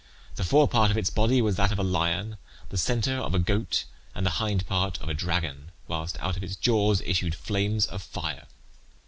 The fore part of its body was that of a lion, the centre of a goat, and the hind part of a dragon; whilst out of its jaws issued flames of fire.